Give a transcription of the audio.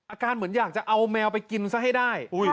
อาการเหมือนอยากจะเอาแมวไปกินซะให้ได้